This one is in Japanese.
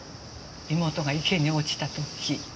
妹が池に落ちた時。